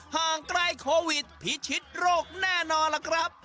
ห่างไกลโควิดพิชิตโรคแน่นอนล่ะครับ